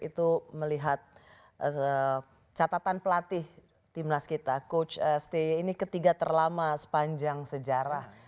itu melihat catatan pelatih timnas kita coach stay ini ketiga terlama sepanjang sejarah